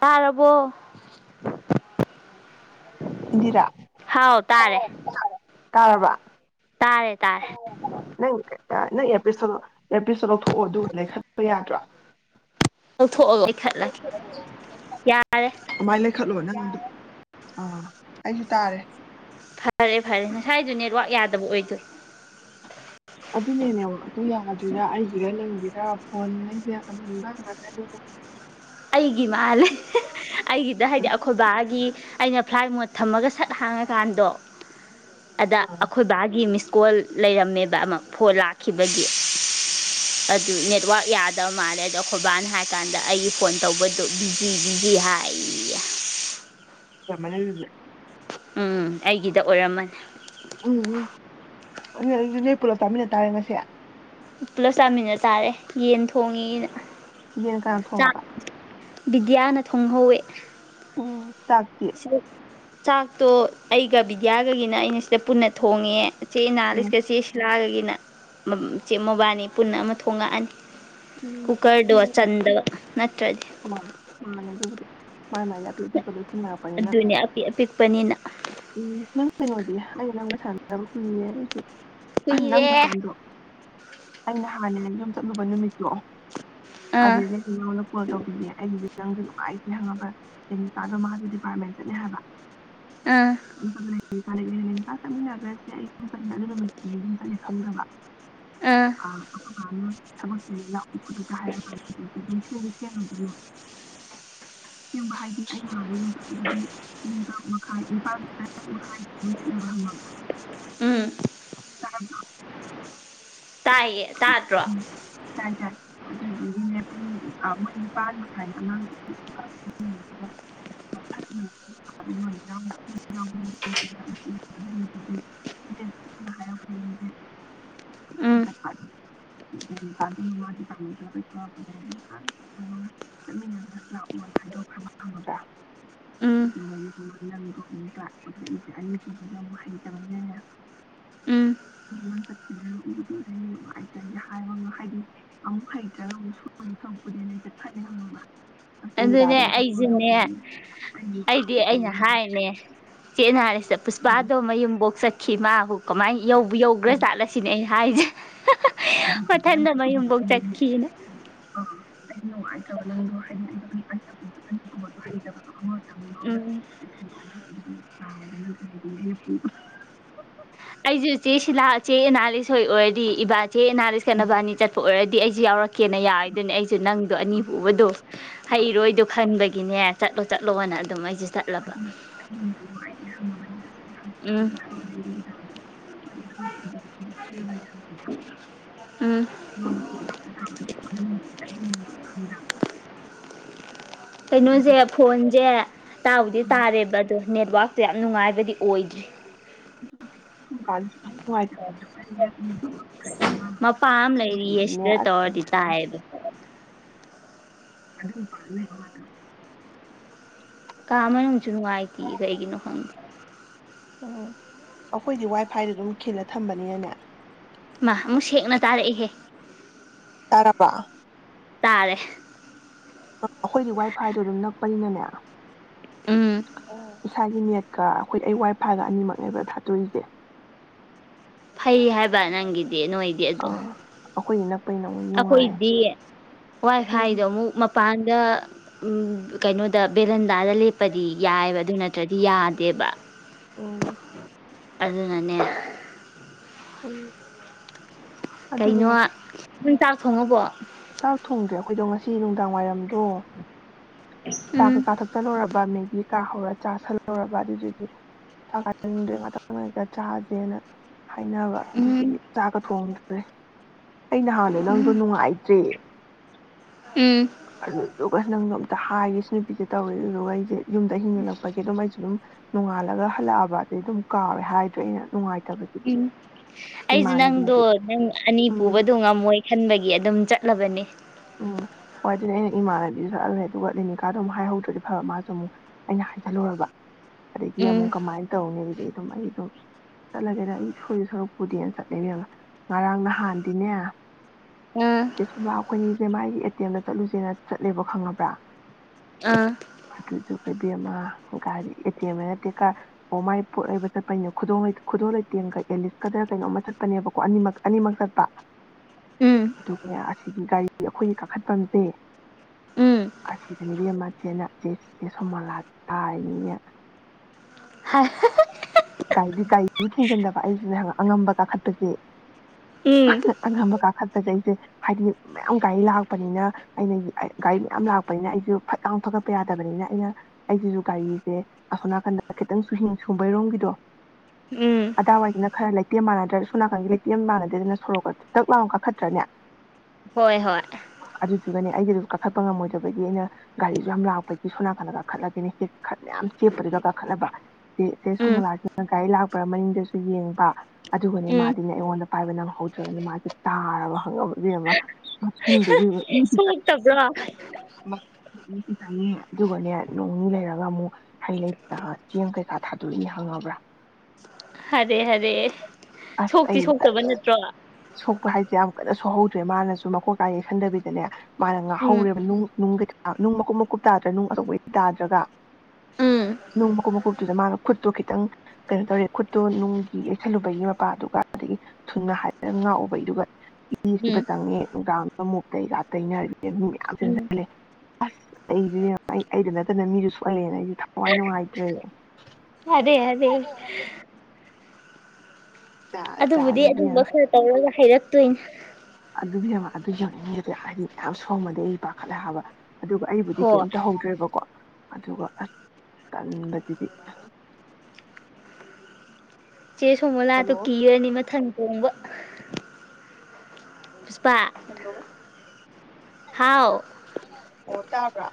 ꯇꯥꯔꯕꯣ ꯏꯟꯗꯤꯔꯥ ꯍꯥꯎ ꯇꯥꯔꯦ ꯇꯥꯔꯕ ꯇꯥꯔꯦ ꯇꯥꯔꯦ ꯅꯪ ꯅꯪ ꯑꯦꯌꯥꯔꯄꯤꯁꯇꯣ ꯑꯦꯌꯥꯔꯄꯤꯁꯇꯣ ꯂꯧꯊꯣꯛꯑꯣ ꯑꯗꯨꯒ ꯂꯩ ꯈꯠꯄ ꯌꯥꯗ꯭ꯔꯣ ꯂꯧꯊꯣꯛꯑꯒ ꯏꯈꯠꯂꯒꯦ ꯌꯥꯔꯦ ꯑꯗꯨꯃꯥꯏꯅ ꯂꯩꯈꯠꯂꯣ ꯅꯪ ꯑꯗꯨ ꯑꯥ ꯑꯩꯁꯨ ꯇꯥꯔꯦ ꯐꯔꯦ ꯐꯔꯦ ꯉꯁꯥꯏꯗꯨ ꯅꯦꯠꯋꯥꯛ ꯌꯥꯗꯕ ꯑꯣꯏꯗꯣꯏ ꯑꯗꯨꯅꯦ ꯅꯦꯋꯥꯛꯇꯣ ꯌꯥꯗ꯭ꯔꯤꯔꯥ ꯑꯩꯒꯤꯔ ꯅꯪꯒꯤꯔ ꯐꯣꯟ ꯃꯩꯁꯦ ꯑꯃꯟꯕ ꯉꯥꯛꯇꯅꯤꯅ ꯑꯩꯒꯤ ꯃꯥꯜꯂꯦ ꯑꯩꯒꯤꯗ ꯍꯥꯏꯗꯤ ꯑꯩꯈꯣꯏꯕꯥꯒꯤ ꯑꯩꯅ ꯐ꯭ꯂꯥꯏꯠ ꯃꯣꯠ ꯊꯝꯃꯒ ꯁꯠ ꯍꯥꯡꯉꯀꯥꯟꯗꯣ ꯑꯗ ꯑꯩꯈꯣꯏ ꯕꯥꯒꯤ ꯃꯤꯁ ꯀꯣꯜ ꯂꯩꯔꯝꯃꯦꯕ ꯑꯃ ꯐꯣꯟ ꯂꯥꯛꯈꯤꯕꯒꯤ ꯑꯗꯨ ꯅꯦꯠꯋꯥꯛ ꯌꯥꯗꯕ ꯃꯥꯜꯂꯦ ꯑꯗꯣ ꯑꯩꯈꯣꯏꯕꯥꯟ ꯍꯥꯏ ꯀꯥꯟꯗ ꯑꯩ ꯐꯣꯟ ꯇꯧꯕꯗꯨ ꯕꯤꯖꯤ ꯕꯤꯖꯤ ꯍꯥꯏꯌꯦ ꯀꯃꯥꯅꯗꯨꯗꯤ ꯎꯝ ꯑꯩꯒꯤꯗ ꯑꯣꯏꯔꯝꯃꯅꯤ ꯎꯝ ꯎꯝ ꯑꯗꯨ ꯑꯗꯨ ꯅꯣꯏ ꯄꯨꯂꯞ ꯆꯥꯃꯤꯟꯅ ꯇꯥꯔꯦ ꯉꯁꯦ ꯄꯨꯂꯞ ꯆꯥꯃꯤꯟꯅ ꯇꯥꯔꯦ ꯌꯦꯟ ꯊꯣꯡꯉꯤꯅ ꯌꯦꯟ ꯀꯅꯥ ꯊꯣꯡꯉꯕ ꯕꯤꯗ꯭ꯌꯥꯅ ꯊꯣꯡꯍꯧꯋꯦ ꯑꯣ ꯁꯤ ꯆꯥꯛꯇꯣ ꯑꯩꯒ ꯕꯤꯗ꯭ꯌꯥꯒꯒꯤꯅ ꯑꯩꯅ ꯁꯤꯗ ꯄꯨꯟꯅ ꯊꯣꯡꯉꯦ ꯎꯝ ꯆꯦꯅꯥꯂꯤꯁꯀ ꯆꯦꯁꯤꯂꯥꯒꯒꯤ ꯅ ꯃ ꯆꯦ ꯃꯣꯕꯥꯏꯅꯤ ꯄꯨꯟꯅ ꯑꯃ ꯊꯣꯡꯉꯛꯑꯅꯤ ꯀꯨꯀꯔꯗꯣ ꯆꯟꯗ ꯅꯠꯇ꯭ꯔ ꯑꯣ ꯃꯥꯅꯦ ꯑꯗꯨꯕꯨꯗꯤ ꯃꯥꯏ ꯃꯥꯏꯒꯤ ꯑꯄꯤꯄꯤꯄ ꯄꯨꯅꯔꯛꯄꯅꯤꯅ ꯑꯗꯨꯅꯦ ꯑꯄꯤꯛ ꯑꯄꯤꯛꯄꯅꯤꯅ ꯎꯝ ꯅꯪ ꯀꯩꯅꯣꯗꯤ ꯑ ꯅꯪ ꯁꯥꯟꯗꯕꯨ ꯈꯨ ꯌꯥꯁꯨ ꯑ ꯀꯨꯏꯔꯦ ꯅꯪꯒꯗꯣ ꯑꯩꯅ ꯍꯥꯟꯅꯦ ꯌꯨꯝ ꯆꯠꯂꯨꯕ ꯅꯨꯃꯤꯠꯇꯣ ꯑꯥ ꯑꯗꯅ ꯇ ꯄꯤꯅꯦ ꯑꯦ ꯈꯤꯇꯪꯁꯨ ꯅꯨꯡꯉꯥꯏꯇꯦ ꯍꯪꯉꯕ ꯀꯦꯅꯤꯀꯥꯗꯣ ꯃꯥꯁꯨ ꯗꯤꯄꯥꯔꯠꯃꯦꯟ ꯆꯠꯅꯦ ꯍꯥꯏꯕ ꯑ ꯀꯀꯥ ꯂꯩꯅꯤꯀꯥ ꯆꯠꯃꯤꯟꯅꯈ꯭ꯔꯁꯦ ꯑꯩ ꯑꯗꯨꯝ ꯆꯠ ꯑꯗꯨ ꯅꯨꯃꯤꯠꯇꯅꯤ ꯑꯗꯨꯝ ꯆꯠꯂꯦ ꯈꯪꯗꯕ ꯑꯥ ꯑ ꯎ ꯇꯕꯄꯤꯂ ꯄꯨꯗ ꯀ ꯍꯥꯏꯔ ꯍꯥꯏꯦ ꯃ ꯑꯦꯡꯕ ꯍꯥꯏꯗꯤ ꯑꯩ ꯉꯒ ꯌꯣꯊꯣꯛꯄꯗ ꯑꯗꯨꯝ ꯄꯨꯡ ꯇꯔꯨꯛ ꯃꯈꯥꯏ ꯅꯤꯄꯥꯜ ꯇꯔꯛ ꯃꯈꯥꯏ ꯌꯊꯑꯕ ꯍꯪꯉꯒ ꯎꯝ ꯇꯥꯏꯌꯦ ꯇꯥꯗ꯭ꯔꯣ ꯇꯥꯏ ꯇꯥꯏ ꯑꯗꯨ ꯄꯨꯡ ꯃꯣꯏ ꯅꯤꯄꯥꯥꯟꯅꯤꯥꯏꯅ ꯑꯉꯥꯡꯜ ꯎꯝ ꯍꯥꯏꯔꯛꯄꯁꯦ ꯅꯦꯅꯤꯀꯥꯟꯗꯃ ꯄꯥꯥꯃ ꯆꯠꯂ ꯀꯩꯊꯂꯛꯄꯅꯦ ꯅꯦꯅꯤꯀꯥꯟꯗ ꯆꯠꯃꯤꯟꯅꯔꯒꯁꯨ ꯂꯥꯛꯑꯣꯗꯣ ꯈꯔ ꯐꯪꯉꯕ꯭ꯔꯥ ꯎꯝ ꯑꯗꯨꯒꯃ ꯅꯪꯗꯣ ꯑꯃꯨꯛ ꯂꯥꯛꯄꯗꯏꯁꯦ ꯑꯅꯤꯒꯨꯝꯕꯁꯦ ꯑꯃꯨꯛ ꯍꯩꯇꯕꯅꯅꯦꯃ ꯎꯝ ꯆꯠꯈꯤꯕꯅ ꯎꯗ ꯩꯅ ꯅꯨꯡꯉꯥꯏꯇ꯭ꯔ ꯑꯩꯁ ꯍꯥꯏꯕ ꯑꯃ ꯍꯥꯏꯗꯤ ꯑꯃꯨꯛ ꯍꯩꯇ꯭ꯔꯒ ꯑꯃꯨꯛ ꯁꯅ ꯁꯛꯄꯨꯗꯦꯅ ꯑꯩꯁ ꯈꯜꯂꯦ ꯍꯪꯃꯕ꯭ꯔ ꯑꯗꯨꯅꯦ ꯑꯩꯁꯨꯅꯦ ꯑꯩ ꯑꯩꯗꯤ ꯅꯨꯡꯉꯥꯏꯇ꯭ꯔꯦ ꯑꯩꯅ ꯏꯕꯦꯝꯃ ꯍꯥꯏꯔꯅꯦ ꯆꯦꯅ ꯍꯥꯏꯔꯁꯤꯗ ꯎꯝ ꯄꯨꯁꯄꯥꯗꯣ ꯃꯌꯨꯝꯕꯣꯛ ꯆꯠꯈꯤ ꯃꯥꯕꯨ ꯀꯃꯥꯏꯅꯧꯕ ꯌꯧꯈ꯭ꯔ ꯆꯥꯠꯂꯁꯤꯅꯦ ꯑꯩꯅ ꯍꯥꯏꯁꯦ ꯑꯗꯨ ꯑ ꯃꯊꯟꯗ ꯃꯌꯨꯝꯕꯣꯛ ꯆꯠꯈꯤꯅ [inaudible] ꯑꯩ ꯅꯨꯡꯉꯥꯏꯇ꯭ꯔꯕ ꯅꯪꯗꯣ ꯍꯥꯏꯗꯤ ꯑꯒꯨꯝꯕꯒꯨꯝꯕꯗꯣ ꯍꯩꯕꯗꯣ ꯎꯝ ꯇꯥꯗꯅ ꯀꯩ ꯄꯕ ꯑꯩꯁꯨꯦ ꯆꯦ ꯁꯤꯂꯥ ꯆꯦ ꯑꯦꯅꯥꯂꯤꯁꯣꯏ ꯑꯣꯏ ꯏꯕ ꯆꯦ ꯅꯥꯔꯤꯁ ꯀꯩꯅꯅꯕꯕꯥꯅꯤ ꯆꯠꯄ ꯑꯣꯏꯔ ꯑꯗꯨ ꯑꯩꯁꯦ ꯌꯥꯔꯛꯦ ꯀꯦꯅ ꯌꯥꯔꯣꯏꯗꯨꯅꯦ ꯑꯩꯁꯨ ꯅꯪꯗꯣ ꯑꯅꯤ ꯄꯨꯕꯗꯣ ꯍꯩꯔꯣꯏꯗꯣ ꯈꯟꯕꯒꯤ ꯒꯤꯅꯦ ꯆꯠꯂꯣ ꯆꯠꯂꯣꯅ ꯑꯗꯨꯝ ꯑꯩꯁꯦ ꯑꯗꯨꯥꯏꯂ [inaudible] [unintelligible] ꯎꯝ ꯐ [inaudible] [unintelligible] ꯎꯝ ꯊꯗ [inaudible] [unintelligible] ꯀꯩꯅꯣꯖꯦ ꯐꯣꯟꯖꯦ ꯇꯥꯕꯨꯗꯤ ꯇꯥꯔꯦꯕ ꯑꯗꯣ ꯅꯦꯠꯋꯥꯛꯇꯣ ꯌꯥꯝ ꯅꯨꯡꯉꯥꯏꯕꯗꯤ ꯑꯣꯏꯗ꯭ꯔꯤ ꯨꯁꯨꯝꯀꯥꯟꯁꯤ ꯁꯨꯅꯨꯡ ꯅꯨꯡꯉꯥꯏ ꯇꯝ ꯃꯄꯥ ꯑꯃ ꯂꯩꯔꯤꯌꯦ ꯁꯤꯗ ꯑꯁ ꯇꯧꯔꯗꯤ ꯇꯥꯏꯌꯦꯕ ꯑꯗꯨ ꯃꯄꯥꯗ ꯂꯩꯩꯌꯣ ꯉꯥꯇꯪ ꯀꯥ ꯃꯅꯨꯡ ꯁꯨ ꯅꯨꯡꯉꯥꯏꯇꯤꯌꯦ ꯀꯩꯒꯤꯅꯣ ꯈꯪꯗꯦ ꯎꯝ ꯑꯩꯈꯣꯏꯗꯤ ꯋꯥꯏ ꯐꯥꯏꯗ ꯑꯗꯨꯝ ꯈꯤꯜꯂ ꯊꯝꯕꯅꯤꯅꯅꯦ ꯃꯥ ꯑꯃꯨꯛ ꯁꯦꯡꯅ ꯇꯥꯔꯛꯑꯦꯍꯦ ꯇꯥꯔꯕ ꯇꯥꯔꯦ ꯑꯩꯈꯣꯏꯗꯤ ꯋꯥꯏ ꯐꯥꯏꯗꯣ ꯑꯗꯨꯝ ꯅꯛꯄꯅꯤꯅꯅꯦ ꯑꯣ ꯎꯝ ꯏꯁꯥꯏ ꯅꯦꯠꯀ ꯑꯩꯈꯣꯏ ꯑꯩ ꯋꯥꯏ ꯐꯥꯏꯒ ꯑꯅꯤꯃꯛꯅꯦꯕ ꯊꯥꯇꯣꯛꯏꯖꯦ ꯐꯩ ꯍꯥꯏꯕ ꯅꯪꯒꯤꯗꯤ ꯅꯣꯏꯗꯤ ꯑꯗꯣ ꯑꯩꯈꯣꯏꯅꯤꯅ ꯑꯩꯈꯣꯏꯗꯤ ꯋꯥꯏ ꯎꯝ ꯐꯥꯏꯗꯣ ꯑꯃꯨꯛ ꯃꯄꯥꯟꯗ ꯑꯝ ꯀꯩꯅꯣꯗ ꯕꯦꯔꯟ ꯗꯥꯗ ꯂꯦꯞꯄꯗꯤ ꯌꯥꯏꯌꯦꯕ ꯑꯗꯨ ꯅꯠ ꯇ꯭ꯔꯗꯤ ꯌꯥꯗꯦꯕ ꯎꯝ ꯑꯗꯨꯅꯅꯦ ꯎꯝ ꯑꯗꯨꯅꯦ ꯀꯩꯩꯅꯣ ꯅꯪ ꯆꯥꯛ ꯊꯣꯡꯉꯕꯣ ꯆꯥꯛ ꯊꯣꯡꯗ꯭ꯔꯦ ꯑꯩꯈꯣꯏꯗꯣ ꯉꯁꯤ ꯅꯨꯡꯗꯥꯡ ꯋꯥꯏꯔꯝꯗꯣ ꯆꯥ ꯎꯝ ꯀꯩꯀꯥ ꯊꯛ ꯆꯜꯂꯣꯔꯕꯥ ꯃꯦꯒꯤ ꯀꯥ ꯍꯧꯔ ꯆꯥꯥꯁꯜꯍꯧꯔꯕ ꯑꯗꯨꯗꯨꯒꯤ ꯆꯥꯛ ꯆꯅꯤꯡꯗꯔꯤ ꯉꯥꯇꯪ ꯂꯩꯔꯒ ꯆꯥꯖꯦꯅ ꯍꯥꯏꯅꯕ ꯑꯗꯨꯗꯨꯒꯤ ꯎꯝ ꯆꯥꯛꯀ ꯊꯣꯡꯗꯔꯤ ꯕꯔ꯭ꯦ [unintelligible] ꯑꯩ ꯅ ꯍꯥꯟꯅ ꯅꯪꯗꯣ ꯅꯨꯡꯉꯥꯏ ꯎꯝ ꯑꯗꯨꯗꯨꯒ ꯅꯪꯗꯣ ꯑꯝꯇ ꯍꯥꯏꯒꯦ ꯁꯤ ꯅꯨꯄꯤꯁꯦ ꯇꯧꯋꯦ ꯑꯗꯨꯗꯨꯒ ꯑꯩꯖꯦ ꯌꯨꯝꯗ ꯑꯍꯤꯡꯂꯦꯛꯂꯛꯄꯒꯤ ꯑꯗꯨꯝ ꯑꯩꯖꯨ ꯗꯨꯝ ꯅꯣꯡꯉꯥꯜꯂꯒ ꯍꯜꯂꯛꯑꯕ ꯗꯩꯗꯨꯝ ꯀꯥꯎꯔꯦ ꯍꯥꯏꯗ꯭ꯔꯦ ꯑꯩꯅ ꯅꯨꯡꯉꯥꯏ ꯎꯝ ꯑꯩꯖꯨ ꯅꯪꯗꯣ ꯅꯪ ꯑꯅꯤ ꯎꯝ ꯄꯨꯕꯗꯣ ꯉꯝꯃꯣꯏ ꯈꯟꯕꯒꯤ ꯑꯗꯨꯝ ꯆꯠ ꯂꯕꯅꯤ ꯎꯝ ꯍꯣꯏ ꯑꯗꯨꯗꯤ ꯑꯩꯅ ꯏꯃꯥꯟꯅꯕꯤꯁꯨ ꯁꯛꯍꯜꯂꯦ ꯑꯗꯨꯒ ꯂꯤꯅꯤꯀꯥꯗꯣ ꯑꯃꯨꯛ ꯍꯥꯏꯍꯧꯗ꯭ꯔꯗꯤ ꯐꯕ ꯃꯥꯁꯨ ꯑꯃꯨꯛ ꯑꯩꯅ ꯍꯥꯏꯖꯜꯂꯨꯔꯕ ꯑꯗꯒꯤ ꯑꯃꯨꯛ ꯎꯝ ꯀꯃꯥꯏꯅ ꯇꯧꯅꯤ ꯑꯗꯨꯝ ꯑꯩꯗꯣ ꯆꯠꯂꯒꯦꯗ ꯑꯩ ꯁꯣꯏꯗ ꯁꯣꯔꯛ ꯄꯨꯗꯦꯅ ꯆꯠꯂꯦ ꯏꯕ‌ꯦꯝꯃꯥ ꯉꯔꯥꯡ ꯅꯍꯥꯟꯗꯤꯅꯦ ꯑꯝ ꯦ ꯃꯥꯒꯤ ꯑꯦ ꯇꯤ ꯑꯦꯝꯗ ꯆꯠꯂꯨꯁꯦꯅ ꯆꯠꯂꯦꯕ ꯈꯪꯉꯕ꯭ꯔꯥ ꯑꯥ ꯑꯗꯨꯗꯨ ꯂꯩꯕꯤ ꯑꯃ ꯒꯥꯔꯤ ꯑꯦꯇꯦꯝ ꯅꯠꯇꯦ ꯑꯣ ꯃꯥꯏ ꯄꯣꯠ ꯂꯩꯕ ꯆꯠꯄꯅꯦ ꯈꯨꯗꯣꯜ ꯂꯩꯇꯦꯡꯒ ꯑꯦꯂꯤꯁꯀꯗꯔ ꯀꯩꯅꯣꯝ ꯆꯠꯄꯅꯦꯕꯀꯣ ꯑꯅꯤꯃꯛ ꯑꯅꯤꯃꯛ ꯆꯠꯄ ꯎꯝ [unintelligible] ꯑꯗꯒꯤ ꯒꯥꯔꯤ ꯑꯩꯈꯣꯏꯒꯤ ꯀꯥꯈꯠꯐꯝꯁꯦ ꯎꯝ ꯑ ꯁꯤꯗꯅ‌ꯦ ꯏꯕ‌ꯦꯝꯃꯥ [unintelligible] ꯆ‌ꯦ ꯁ‌ꯣꯃ‌ꯣꯂꯥ ꯇꯥꯔꯤꯅꯤꯅ‌ꯦ ꯍꯥꯏ [unintelligible] ꯥꯏꯗꯤ ꯒꯥꯔꯤ ꯊꯦꯡꯖꯤꯟꯅꯕ ꯑꯩꯁꯨꯅ‌ꯦ ꯑꯉꯝꯕ ꯀꯥꯈꯠꯄꯁꯦ ꯎꯝ ꯉꯝꯕ ꯀꯥ ꯈ ꯐꯖꯩꯁꯦ ꯍꯥꯏꯗꯤ ꯃꯌꯥꯝ ꯒꯥꯔꯤ ꯂꯥꯛꯄꯅꯤꯅ ꯑꯩꯅ ꯒꯥꯔꯤ ꯃꯌꯥꯝ ꯂꯥꯛꯄꯅꯤꯅ ꯑꯩꯁꯨ ꯐꯠ ꯂꯥꯎ ꯊꯧꯒꯠꯄ ꯌꯥꯗꯕꯅꯤꯅ ꯑꯩꯅ ꯑꯩꯁꯤꯁꯨ ꯒꯥꯔꯤꯁꯦ ꯑꯁꯣꯝ ꯅꯥꯀꯟꯗ ꯈꯤꯇꯪ ꯁꯨꯍꯤꯡ ꯁꯨꯝꯕꯩꯔꯣꯝꯒꯤꯗꯣ ꯎꯝ ꯑꯗꯥꯋꯥꯏꯗꯅ ꯈꯔ ꯂꯩꯇꯦꯝ ꯃꯥꯟꯅꯗ꯭ꯔ ꯁꯣꯝ ꯅꯥꯀꯟꯒꯤ ꯂꯩꯇꯦꯝ ꯃꯥꯟꯅꯗꯦꯗꯅ ꯁꯣꯔꯣꯛꯀ ꯗꯛ ꯂꯥꯎ ꯀꯥꯈꯠꯇ꯭ꯔꯅꯦ ꯍꯣꯏ ꯍꯣꯏ ꯑꯗꯨꯒꯅꯦ ꯑꯩꯒꯤ ꯑꯗꯨ ꯀꯥꯈꯠꯄ ꯉꯝꯃꯣꯏꯗꯕꯒꯤ ꯑꯩꯅ ꯒꯥꯔꯤꯁꯨ ꯌꯥꯝ ꯂꯥꯛꯄꯒꯤ ꯁꯣꯅꯥꯀꯟꯗ ꯀꯥꯈꯠꯂꯒꯦꯅꯦ ꯍꯦꯛ ꯃꯌꯥꯝ ꯆꯦꯞꯄꯗꯨꯒ ꯀꯥꯈꯠꯂꯕ ꯆ‌ꯦ ꯆ‌ꯦ ꯎꯝ ꯁ‌ꯣꯃ‌ꯣꯂꯥ ꯁꯤꯅ ꯒꯥꯔꯤ ꯂꯥꯛꯄ꯭ꯔꯥ ꯃꯅꯤꯡꯗꯁꯨ ꯌꯦꯡꯕ ꯑꯗꯨꯒꯅꯦ ꯎꯝ ꯃꯥꯗꯤꯅꯦ ꯑꯩꯉꯣꯟꯗ ꯄꯥꯏꯕ ꯅꯪꯍꯧꯗ꯭ꯔꯕꯅꯦ ꯃꯥꯁꯦ ꯇꯥꯔꯕ ꯈꯪꯉꯕ ꯏꯕ‌ꯦꯝꯃ ꯃꯊꯟꯗꯨꯗ ꯁ‌ꯣꯛꯇꯕ꯭ꯔꯣ ꯑ ꯏꯁꯤ ꯆꯠꯅꯤ ꯑꯗꯨꯒꯅꯦ ꯅꯣꯡꯅꯤ ꯂꯩꯔꯒ ꯑꯃꯨꯛ ꯍꯩ ꯂꯩꯇ ꯆꯦꯡ ꯀꯩꯀꯥ ꯊꯥꯗꯣꯛꯏꯅꯦ ꯈꯪꯉꯕ꯭ꯔꯥ ꯐꯔꯦ ꯍꯥꯏꯔꯦ ꯑꯁ ꯁꯣꯛꯇꯤ ꯑꯩ ꯁꯣꯛꯇꯕ ꯖꯔ ꯅꯠꯇ꯭ꯔꯣ ꯁꯨꯍꯧꯗ꯭ꯔꯦ ꯃꯥꯅꯁꯨ ꯃꯈꯣꯛ ꯀꯥꯏꯩ ꯈꯟꯗꯕꯤꯗꯅꯦ ꯃꯥꯅ ꯎꯝ ꯉꯥꯍꯧꯔꯦꯕ ꯅꯨꯡ ꯅꯨꯡꯒ ꯅꯨꯡ ꯃꯀꯨꯞ ꯃꯀꯨꯞ ꯇꯥꯗ꯭ꯔꯥ ꯅꯨꯡ ꯑꯇꯧꯕꯩꯗꯤ ꯇꯥꯗ꯭ꯔꯒ ꯎꯝ ꯅꯨꯡ ꯃꯀꯨꯞ ꯃꯀꯨꯞꯇꯨꯗ ꯃꯥꯅ ꯈꯨꯠꯇꯣ ꯈꯤꯇꯪ ꯀꯩꯅꯣ ꯇꯧꯔꯦ ꯈꯨꯠꯇꯣ ꯅꯨꯡꯒꯤ ꯌꯩꯁꯜꯂꯨꯕꯒꯤ ꯃꯄꯥꯗꯨꯒ ꯑꯗꯒꯤ ꯊꯨꯅ ꯍꯥꯏꯔꯒ ꯉꯥꯛꯎꯕꯩꯗꯨꯒ ꯏꯁꯤꯗ ꯎꯝ ꯆꯪꯉꯦ ꯀ ꯑꯃꯨꯇꯒ ꯇꯩꯅꯔꯦ ꯃꯌꯥꯝ ꯎꯝ ꯆꯁꯤꯜꯂꯦ ꯑꯁ ꯑꯩꯁꯨ ꯑꯩ ꯑꯩꯗ ꯅꯠꯇꯅ ꯃꯤꯁꯨ ꯁꯣꯛꯍꯜꯂꯦꯅ ꯑꯩꯁꯨ ꯊꯋꯥꯏ ꯅꯨꯡꯉꯥꯏꯇ꯭ꯔꯦ ꯑꯗꯦ ꯑꯗꯦ ꯖꯥꯠ ꯑꯗꯨꯕꯨꯗꯤ ꯖꯥꯠꯅꯤ ꯑꯗꯨꯝꯕ ꯏꯕꯦꯝꯃ ꯈꯔ ꯇꯧꯔꯒ ꯍꯥꯏꯔꯛꯇꯣꯏꯅꯦ ꯑꯗꯨꯒꯤꯅꯦ ꯑꯗꯨ ꯌꯧꯅꯤꯡꯉꯤꯗꯤ ꯍꯥꯏꯗꯤ ꯌꯥꯝ ꯁꯣꯡꯃꯗꯤ ꯑꯩ ꯄꯥꯈꯠꯂꯦ ꯍꯥꯏꯕ ꯑꯗꯨꯒ ꯑꯩꯕꯨꯗꯤ ꯍꯣ ꯀꯩꯝꯇ ꯍꯧꯧꯗ꯭ꯔꯦꯕꯀꯣ ꯑꯗꯨꯒ ꯑꯁ ꯀꯟꯕꯗꯨꯗꯤ ꯆꯦ ꯁꯣꯡꯃꯣ ꯂꯥꯛꯗꯣ ꯀꯤꯔꯅꯤ ꯃꯊꯪ ꯊꯣꯡꯕ ꯍꯜꯂꯣ ꯍꯥꯎ ꯑꯣ ꯇꯕ꯭ꯔꯥ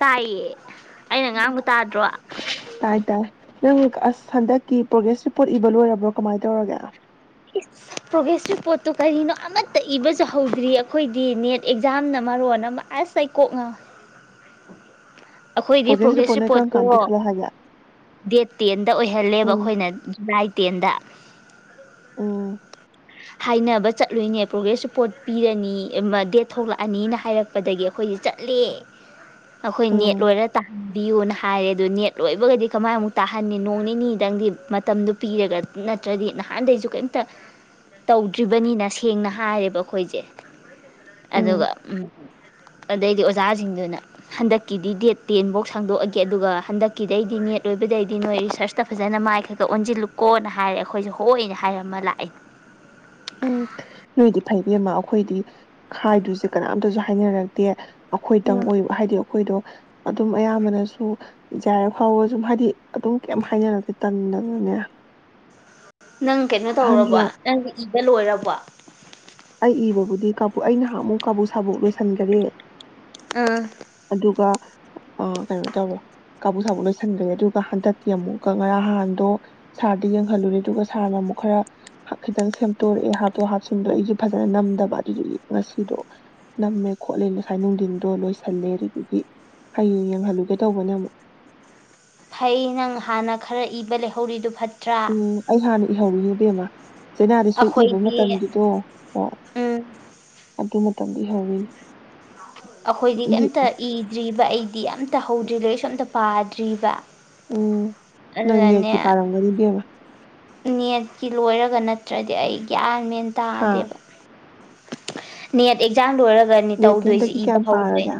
ꯇꯥꯏꯌꯦ ꯑꯩꯅ ꯉꯥꯡꯕ ꯎꯝ ꯇꯥꯗ꯭ꯔꯣ ꯇꯥꯏ ꯇꯥꯏ ꯅꯪ ꯑꯁ ꯍꯟꯗꯛꯀꯤ ꯄ꯭ꯔꯣꯒ꯭ꯔꯦꯁ ꯔꯤꯄꯣꯔꯠ ꯏꯕ ꯂꯣꯏꯔꯕ꯭ꯔꯣ ꯀꯃꯥꯏꯅ ꯇꯧꯔꯒꯦ ꯄ꯭ꯔꯣꯒ꯭ꯔꯦꯁꯤꯞ ꯄꯣꯠꯇꯣ ꯀꯔꯤꯅꯣ ꯑꯃꯠꯇ ꯏꯕꯁꯨ ꯍꯧꯗ꯭ꯔꯤ ꯑꯩꯈꯣꯏꯗꯤ ꯅꯦꯠ ꯑꯦꯛꯖꯥꯝꯅ ꯃꯔꯣꯟ ꯑꯃ ꯑꯁ ꯑꯩ ꯀꯣꯛ ꯉꯧ ꯑꯩꯈꯣꯏꯒꯤ ꯄ꯭ꯔꯣꯒ꯭ꯔꯦꯁ ꯔꯤꯄꯣꯔꯠ ꯅꯣꯏ ꯀꯔꯝ ꯔꯤꯄꯣꯔꯠꯇꯣ ꯀꯥꯟ ꯄꯤꯈꯠꯂꯣ ꯍꯥꯏꯒꯦ ꯗꯦꯠ ꯇꯦꯟꯗ ꯑꯣꯏꯍꯜꯂꯦꯕ ꯎꯝ ꯑꯩꯈꯣꯏꯅ ꯖꯨꯂꯥꯏ ꯇꯦꯟꯗ ꯎꯝ ꯍꯥꯏꯅꯕ ꯆꯠꯂꯣꯏꯅꯦ ꯄ꯭ꯔꯣꯒ꯭ꯔꯦꯁ ꯔꯤꯄꯣꯔꯠ ꯄꯤꯔꯅꯤ ꯗꯦꯠ ꯊꯣꯛꯂꯛꯑꯅꯤꯅ ꯍꯥꯏꯔꯛꯄꯗꯒꯤ ꯑꯩꯈꯣꯏꯁ ꯆꯠꯂꯦ ꯑꯩꯈꯣꯏ ꯅꯦꯠ ꯎꯝ ꯂꯣꯏꯔ ꯇꯥꯍꯟꯕꯤꯌꯨꯅ ꯍꯥꯏꯔꯦ ꯑꯗꯨ ꯅꯦꯠ ꯂꯣꯏꯕꯒꯗꯤ ꯀꯃꯥꯏꯃꯨꯛ ꯇꯥꯍꯟꯅꯤ ꯅꯣꯡ ꯅꯤꯅꯤꯗꯪꯗꯤ ꯃꯇꯝꯗꯨꯣ ꯄꯤꯔꯒ ꯅꯠꯇ꯭ꯔꯗꯤ ꯅꯍꯥꯟꯗꯩꯁꯨ ꯀꯔꯤꯝꯇ ꯇꯧꯗ꯭ꯔꯤꯕꯅꯤꯅ ꯁꯦꯡꯅ ꯍꯥꯏꯔꯦꯕ ꯑꯩꯈꯣꯏꯁꯦ ꯑꯗꯨꯒ ꯎꯝ ꯑꯗꯩꯗꯤ ꯑꯣꯖꯥꯁꯤꯡꯗꯨꯅ ꯍꯟꯗꯛꯀꯤꯗꯤ ꯗꯦꯠ ꯇꯦꯟꯐꯧ ꯁꯪꯗꯣꯛꯑꯒꯦ ꯑꯗꯨꯒ ꯍꯟꯗꯛꯀꯤꯗꯩꯗꯤ ꯅꯦꯠ ꯑꯣꯏꯕꯗꯩꯗꯤ ꯅꯣꯏ ꯔꯤꯁꯔꯁꯇ ꯐꯖꯅ ꯃꯥꯏ ꯈꯛꯇ ꯑꯣꯟꯁꯤꯜꯂꯨꯀꯣꯅ ꯍꯥꯏꯔꯦ ꯑꯩꯈꯣꯏꯁꯦ ꯍꯣꯏꯅ ꯍꯥꯏꯔꯃ ꯂꯥꯛꯑꯦ ꯎꯝ ꯅꯣꯏꯗꯤ ꯐꯩꯕꯃ ꯑꯩꯈꯣꯏꯗꯤ ꯍꯥꯏꯗꯨꯁꯦ ꯀꯅꯥꯝꯇꯁꯨ ꯍꯥꯏꯅꯔꯛꯇꯦ ꯑꯩꯈꯣꯏꯗꯪ ꯎꯝ ꯑꯣꯏꯕ ꯍꯥꯏꯗꯤ ꯑꯩꯈꯣꯏꯗꯣ ꯑꯗꯨꯝ ꯑꯌꯥꯝꯕꯅꯁꯨ ꯌꯥꯏꯔ ꯐꯥꯎꯕ ꯁꯨꯝ ꯍꯥꯏꯗꯤ ꯑꯗꯨꯝ ꯀꯩꯝ ꯍꯥꯏꯅꯔꯗꯤ ꯇꯟ ꯗꯅꯥ ꯅ [inaudible] [unintelligible] ꯅꯪ ꯀꯩꯅꯣ ꯇꯧꯔꯕ ꯅꯪ ꯏꯗ ꯂꯣꯏꯔꯕ ꯋꯥ ꯑꯩ ꯏꯕꯕꯨꯗꯤꯕꯨ ꯑꯩ ꯅꯍꯃꯨꯛ ꯀꯥꯕꯨ ꯁꯥꯕꯣꯛ ꯂꯣꯏꯁꯟꯈꯔꯦ ꯑꯥ ꯑ ꯀꯩꯅꯣ ꯇꯧꯕꯣ ꯀꯥꯡꯕꯨ ꯁꯥꯕꯨ ꯂꯣꯏꯁꯤꯟꯈ꯭ꯔꯦ ꯑꯗꯨꯒ ꯍꯟꯗꯛꯀꯤ ꯑꯃꯨꯛꯀ ꯉꯔꯥꯡ ꯍꯥꯟꯗꯣ ꯁꯥꯔꯗ ꯌꯦꯡꯍꯜꯂꯨꯔꯦ ꯑꯗꯨꯒ ꯁꯥꯔꯅ ꯑꯃꯨꯛ ꯈꯔ ꯈꯤꯇꯪ ꯁꯦꯝꯠꯇꯣꯔꯛꯑꯦ ꯍꯥꯞꯇ ꯍꯥꯞꯆꯤꯟꯗ ꯑꯩꯒꯤ ꯐꯖꯅ ꯅꯝꯗꯕ ꯑꯗꯨꯗꯨꯒꯤ ꯉꯁꯤꯗꯣ ꯅꯝꯃꯦ ꯈꯣꯠꯂꯦ ꯉꯁꯥꯏ ꯅꯨꯡꯊꯤꯟꯗꯣ ꯂꯣꯏꯁꯤꯜꯂꯦ ꯑꯗꯨꯗꯨꯒꯤ ꯍꯌꯦꯡ ꯌꯦꯡꯍꯜꯂꯨꯒꯦ ꯇꯧꯕꯅꯦ ꯑꯃꯨꯛ ꯐꯩ ꯅꯪ ꯍꯥꯟꯅ ꯈꯔ ꯏꯕ ꯂꯩꯍꯧꯔꯤꯗꯨ ꯐꯠꯇꯦ ꯎꯝ ꯑꯩ ꯍꯥꯟꯅ ꯏꯍꯧꯔꯤꯅꯦ ꯏꯕꯦꯝꯃ ꯆꯩꯅꯥꯗ ꯁꯣꯏꯏꯕ ꯑꯩꯈꯣꯏꯗꯤ ꯃꯇꯝꯒꯤꯗꯣ ꯍꯣꯏ ꯎꯝ ꯑꯗꯨ ꯃꯇꯝꯗ ꯏꯍꯧꯔꯤꯅꯦ ꯑꯩꯈꯣꯏꯗꯤ ꯀꯩꯝꯇ ꯏꯗ꯭ꯔꯤꯕ ꯑꯩꯗꯤ ꯑꯝꯇ ꯍꯧꯗ꯭ꯔꯤ ꯂꯩꯁꯣꯝꯇ ꯄꯥꯗ꯭ꯔꯤꯕ ꯎꯝ ꯑꯗꯨꯅꯅꯦ ꯅꯪꯅꯤꯔꯀꯤ ꯄꯥꯔꯝꯕꯔꯤꯕꯤꯕ ꯅꯦꯠꯀꯤ ꯂꯣꯏꯔꯒ ꯅꯠꯇ꯭ꯔꯗꯤ ꯑꯩ ꯒ꯭ꯌꯥꯟ ꯃꯦꯟ ꯍꯥ ꯇꯥꯗꯦꯕ ꯃꯤꯍꯠ ꯑꯦꯖꯥ ꯂꯨꯔ ꯐꯒꯅꯤ ꯅꯦꯠꯀꯤ ꯇꯧꯗꯣꯏꯁꯦ ꯍꯟꯗꯛꯀꯤ ꯏꯕ ꯀꯌꯥꯝ ꯄꯥꯔꯒꯦ ꯍꯧꯗꯣꯏꯅꯦ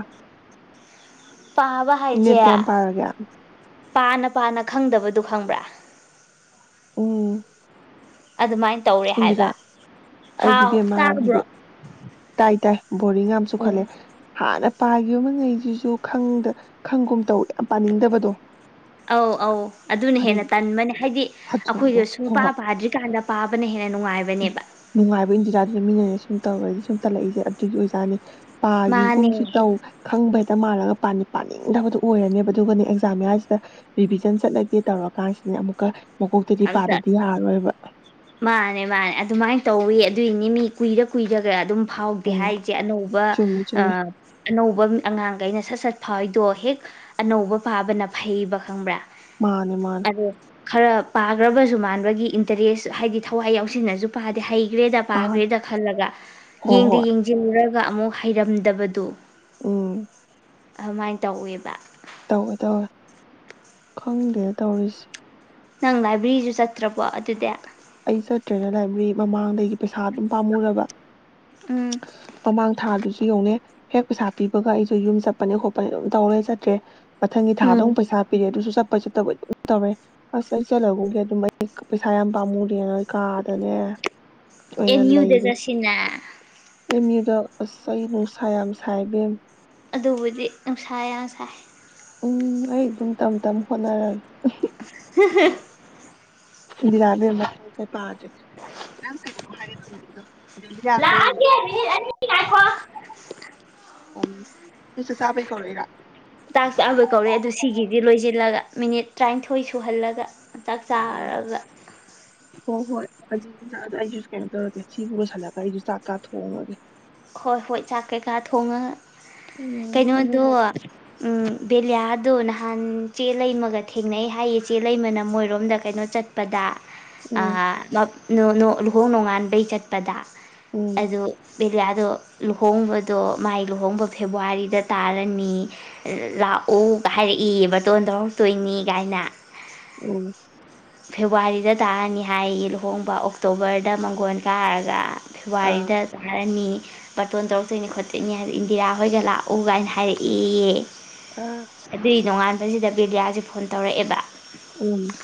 [inaudible] ꯄꯥꯕ ꯍꯥꯏꯖꯦ ꯅꯦꯠ ꯀꯌꯥꯝ ꯄꯥꯔꯒꯦ ꯄꯥꯅ ꯄꯥꯅ ꯈꯪꯗꯕꯗꯨꯣ ꯈꯪꯕ꯭ꯔꯥ ꯎꯝ ꯑꯗꯨꯃꯥꯏꯅ ꯇꯧꯔꯦ ꯏꯟꯗꯤꯔꯥ ꯍꯥꯏꯕ ꯑꯩꯗꯤ ꯍꯥꯎ ꯕꯦꯃꯥꯕꯨ ꯇꯥꯕ꯭ꯔꯣ ꯇꯥꯏ ꯇꯥꯏ ꯕꯣꯔꯤꯡ ꯌꯥꯝꯁꯨ ꯎꯝ ꯈꯜꯂꯦ ꯍꯥꯟꯅ ꯄꯥꯈꯤꯕꯃ ꯉꯩꯁꯤꯁꯨ ꯈꯪꯗ ꯈꯪꯒꯨꯝ ꯇꯧ ꯌꯥꯝ ꯄꯥꯅꯤꯡꯗꯕꯗꯣ ꯑꯧ ꯑꯧ ꯑꯗꯨꯅ ꯑꯗꯨ ꯍꯦꯟꯅ ꯇꯟꯕꯅꯦ ꯍꯥꯏꯗꯤ ꯍꯛꯆꯤꯟꯗꯣ ꯑꯩꯈꯣꯏꯗ ꯁꯨꯡ ꯍꯣꯏ ꯄ ꯍꯣꯏ ꯄꯥꯗ꯭ꯔꯤꯀꯥꯟꯗ ꯄꯥꯕꯅꯦ ꯅꯨꯡꯉꯥꯏꯕ ꯏꯟꯗꯤꯔꯥꯗꯅ ꯃꯤꯅ ꯁꯨꯝ ꯇꯧꯔꯗꯤ ꯁꯨꯝ ꯇꯜꯂꯛꯏꯁꯦ ꯑꯗꯨꯒꯤ ꯑꯣꯖꯥꯅꯤ ꯃꯥꯅꯦ ꯄꯥꯒꯤꯒꯨꯝꯁꯨ ꯇꯧ ꯈꯪꯕ ꯍꯦꯛꯇ ꯃꯥꯥꯟꯂꯒ ꯄꯥꯅꯤꯡꯗꯕꯗꯨ ꯑꯣꯏꯔꯅꯦꯕ ꯑꯗꯨꯒꯅꯦ ꯑꯦꯛꯖꯥꯝ ꯑꯌꯥꯁꯤꯗ ꯔꯤꯚꯤꯖꯟ ꯆꯠꯂꯒꯦ ꯇꯧꯔꯀꯥꯟꯁꯤꯗꯅꯦ ꯑꯃꯨꯛꯀ ꯃꯀꯣꯛꯇꯗꯤ ꯑꯝꯇ ꯄꯥꯗꯗꯤ ꯌꯥꯔꯔꯣꯏꯕ ꯃꯥꯅꯦ ꯃꯥꯅꯦ ꯑꯗꯨꯃꯥꯏꯅ ꯇꯧꯋꯤ ꯑꯗꯨꯏꯅꯤ ꯃꯤ ꯀꯨꯏꯔ ꯀꯨꯏꯔꯒ ꯑꯗꯨꯝ ꯍꯥꯎꯗꯦ ꯎꯝ ꯍꯥꯏꯔꯤꯁꯦ ꯑꯅꯧꯕ ꯆꯨꯝꯃꯦ ꯆꯨꯝꯃꯦ ꯑꯅꯧꯕ ꯑꯉꯥꯡꯈꯩꯅ ꯁꯠ ꯐꯥꯎꯏꯗꯣ ꯍꯦꯛ ꯑꯅꯧꯕ ꯄꯥꯕꯅ ꯐꯩꯕ ꯈꯪꯕ꯭ꯔꯥ ꯃꯥꯅꯦ ꯃꯥꯅꯦ ꯑꯗꯣ ꯈꯔ ꯄꯥꯈ꯭ꯔꯕꯁꯨ ꯃꯥꯟꯕꯒꯤ ꯏꯟꯇꯔꯦꯁ ꯍꯥꯏꯗꯤ ꯊꯋꯥꯏ ꯌꯥꯎꯁꯤꯟꯅꯁꯨ ꯄꯥꯗꯦ ꯍꯩ ꯍꯩꯈ꯭ꯔꯦꯗ ꯄꯥꯈ꯭ꯔꯦꯗ ꯈꯜꯂꯒ ꯍꯣꯏ ꯌꯦꯡꯗ ꯍꯣꯏ ꯌꯦꯡꯁꯤꯜꯂꯨꯔ ꯒ ꯑꯃꯨꯛ ꯍꯩꯔꯝꯗꯕꯗꯨ ꯎꯝ ꯑꯗꯨꯃꯥꯏꯅ ꯇꯧꯋꯦꯕ ꯇꯧꯋꯦ ꯇꯧꯔꯦ ꯈꯪꯗꯦ ꯇꯧꯔꯤꯁꯦ ꯅꯪ ꯂꯥꯏꯕ꯭ꯔꯦꯔꯤꯁꯨ ꯆꯠꯇ꯭ꯔꯕꯣ ꯑꯗꯨꯗꯤ ꯑꯩ ꯆꯠꯇ꯭ꯔꯦꯗ ꯂꯥꯏꯕ꯭ꯔꯦꯔꯤ ꯃꯃꯥꯡꯗꯒꯤ ꯄꯩꯁꯥ ꯑꯗꯨꯝ ꯄꯥꯝꯃꯨꯔꯕ ꯎꯝ ꯃꯃꯥꯡ ꯊꯥꯗꯨꯁꯨ ꯌꯧꯅꯦ ꯍꯦꯛ ꯄꯩꯁꯥ ꯄꯤꯕꯒ ꯑꯩꯁꯨ ꯌꯨꯝ ꯆꯠꯄꯅꯦ ꯈꯣꯠꯄꯅꯦ ꯑꯗꯨꯝ ꯇꯧꯔꯦ ꯆꯠꯇ꯭ꯔꯦ ꯃꯊꯪꯒꯤ ꯊꯥꯗꯨ ꯎꯝ ꯄꯩꯁꯥ ꯄꯤꯔꯦ ꯑꯗꯨꯁꯨ ꯆꯞ ꯂ ꯆꯠꯇꯕꯩ ꯑꯗꯨꯝ ꯇꯧꯔꯦ ꯑꯁ ꯑꯩ ꯆꯠꯂꯒꯨꯝꯒꯦ ꯑꯗꯨꯝ ꯑꯩ ꯄꯩꯁꯥ ꯌꯥꯝ ꯄꯥꯝꯃꯨ ꯅ ꯀꯥꯗꯅꯦ ꯑꯦꯝ ꯑꯣꯏꯅ ꯎꯗ ꯂꯩꯔꯦ ꯆꯠꯁꯤꯅ ꯑꯦꯝ ꯌꯨꯗ ꯑꯁ ꯑꯩ ꯅꯨꯡꯁꯥ ꯌꯥꯝ ꯁꯥꯏꯕꯦꯝ ꯑꯗꯨꯕꯨꯗꯤ ꯅꯨꯡꯁꯥ ꯌꯥꯝ ꯁꯩ꯫ ꯎꯝꯝ ꯑꯩ ꯑꯗꯨꯝ ꯇꯝ ꯇꯝ ꯍꯣꯠꯅꯥꯔꯒꯦ꯫ [unintelligible] ꯏꯗꯤꯔꯥ ꯏꯕꯦꯝꯃ ꯄꯥꯗꯦ ꯅ ꯀꯥꯏꯩꯅ ꯍꯥꯏꯔꯦ ꯇ ꯃꯅꯤꯗꯣ ꯗꯂꯤꯌꯥ ꯌꯥ ꯑꯗꯨ ꯂꯥꯛꯑꯒꯦ ꯃꯤꯅꯤꯠ ꯑꯅꯤ ꯉꯥꯏꯈꯣ ꯎꯝ ꯆꯥꯛ ꯆꯥꯕꯣꯏ ꯀꯧꯔꯦ ꯑꯗꯨ ꯑꯥ ꯁꯤꯒꯤꯗꯤ ꯂꯣꯏꯁꯤꯜꯂꯒ ꯃꯤꯅꯤꯠ ꯇ꯭ꯔꯦꯅꯤꯊꯣꯏ ꯁꯨꯜꯍꯜꯂꯥꯒꯥ꯫ ꯆꯛ ꯆꯔꯥꯒꯥ꯫ ꯍꯣ ꯍꯣꯏ ꯑꯗꯨꯖꯥ ꯑꯩꯁꯨ ꯀꯩꯅꯣ ꯇꯧꯔꯒꯦ ꯁꯤꯕꯨ ꯂꯣꯢꯁꯜꯂꯒ ꯑꯩꯁꯨ ꯆꯥꯛꯀ ꯊꯣꯡꯉꯒꯦ ꯍꯣꯏ ꯍꯣꯏ ꯆꯛ ꯀꯦꯏꯀꯥ ꯊꯣꯉ꯭ꯒꯥ ꯒꯥ ꯀꯩꯅꯣ ꯗꯨ ꯑꯗꯨꯅꯦ ꯎꯝ꯫ ꯕꯦꯂꯤꯌꯥꯂꯤꯌꯥꯗꯣ ꯅꯍꯥꯟ ꯆꯦ ꯂꯩꯃꯒ ꯊꯦꯡꯅꯩ ꯍꯥꯏꯌꯦ ꯆꯦ ꯂꯩꯃꯅ ꯃꯣꯏꯔꯣꯝꯗ ꯀꯩꯅꯣ ꯆꯠꯄꯗ ꯑ ꯎꯝ ꯃ ꯂꯨꯍꯣꯡ ꯅꯣꯡꯉꯥꯟꯕꯩ ꯆꯠꯄꯗ ꯎꯝ ꯑꯗꯨ ꯑꯗꯣ ꯂꯨꯍꯣꯡꯕꯗꯣ ꯃꯥꯏ ꯂꯨꯍꯣꯡꯕ ꯐꯦꯕꯋꯥꯔꯤꯗ ꯇꯥꯔꯅꯤ ꯂꯥꯛꯎ ꯍꯥꯏꯔꯛꯏ ꯕꯇꯣꯟ ꯇꯧꯔꯛꯇꯣꯏꯅꯤ ꯀꯥꯏꯅ ꯎꯝ ꯐꯦꯕꯋꯥꯔꯤꯗ ꯇꯥꯔꯅꯤ ꯍꯥꯏꯌꯦ ꯂꯨꯍꯣꯡꯕ ꯑꯣꯛꯇꯣꯕꯔꯗ ꯃꯪꯒꯣꯣꯟ ꯀꯥꯔꯒ ꯑꯥ ꯁꯚꯏꯗ ꯑꯅꯤ ꯕꯥꯔꯇꯣꯟ ꯇꯧꯔꯛꯇꯣꯏꯅꯤ ꯈꯣꯠꯇꯣꯏꯅꯤ ꯍꯥꯏꯕ ꯏꯟꯗꯤꯔꯥ ꯍꯣꯏꯒ ꯂꯥꯛꯎ ꯀꯥꯏꯅ ꯍꯥꯏꯔꯛꯏꯌꯦ ꯑꯥ ꯑꯗꯨ ꯅꯣꯡꯉꯥꯟ ꯑꯗꯨꯗ ꯁꯤꯗ ꯕꯤꯗꯤꯌꯥꯁꯦ ꯐꯣꯟ ꯇꯧꯔꯛꯑꯦꯕ ꯎꯝ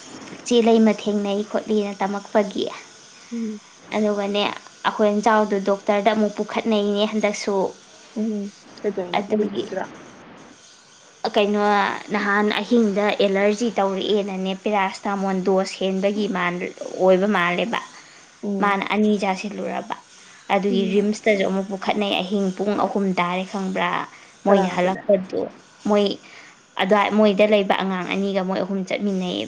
ꯆꯦ ꯂꯩꯃꯥ ꯊꯦꯡꯅꯩ ꯈꯣꯠꯂꯤ ꯇꯝꯃꯛꯄꯒꯤ꯫ ꯎꯝ ꯑꯗꯨꯒꯥꯅꯦ꯫ ꯑꯩꯈꯣꯏ ꯏꯟꯖꯥꯎꯗꯨ ꯗꯣꯛ ꯀꯇꯔꯗ ꯑꯃꯨꯛ ꯄꯨꯈꯠꯅꯩꯅꯦ ꯍꯟꯗꯛꯁꯨ ꯎꯝ ꯑꯗꯨꯒꯤ [unintelligible] ꯀꯩꯅꯣ ꯅꯍꯥꯟ ꯑꯍꯤꯡꯗ ꯑꯦꯂꯔꯖꯤ ꯇꯧꯔꯛꯑꯦꯅꯅꯦ ꯄꯦꯔꯥꯁꯇꯥꯃꯣꯟ ꯗꯣꯁ ꯍꯦꯟꯕꯒꯤ ꯑꯣꯏꯕ ꯃꯥꯜꯂꯦꯕ ꯎꯝ ꯃꯥꯅ ꯑꯅꯤꯖꯁꯤ ꯊꯂꯣꯏꯔꯔꯕ ꯑꯗꯨꯒꯥ ꯎꯝ ꯔꯤꯃꯁ ꯗꯁꯨ ꯑꯃꯨꯛ ꯄꯨꯛ꯫ ꯈ꯭ꯇꯅꯥꯏ ꯑꯍꯤꯡ ꯑꯍꯨꯝ ꯇꯥꯔꯦ ꯈ꯭ꯡꯕ꯭ꯔꯥ꯫ ꯃꯣꯏꯅꯥ ꯀꯅꯥꯒ ꯆꯠꯂꯦ ꯍꯜꯀꯄꯥꯗꯨ꯫ ꯃꯣꯏ ꯑꯗꯨꯋꯥꯏ ꯃꯣꯏꯗ ꯂꯩꯕ ꯑꯉꯥꯡ ꯑꯅꯤꯒ ꯃꯣꯏ ꯑꯍꯨꯝ ꯆꯠꯃꯤꯟꯅꯩꯌꯦꯕ